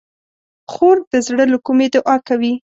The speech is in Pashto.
خور د زړه له کومي دعا کوي.